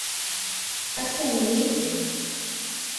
Кастене мий.